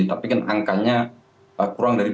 tapi kan angkanya kurang dari dua puluh